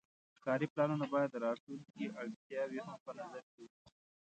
ښاري پلانونه باید د راتلونکي اړتیاوې هم په نظر کې ونیسي.